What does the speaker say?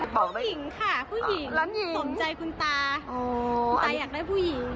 ผู้หญิงค่ะผู้หญิงสมใจคุณตาคุณตาอยากได้ผู้หญิง